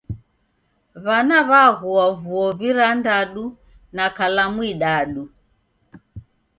W'ana w'aghua vuo virandadu na kalamu idadu